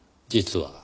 実は。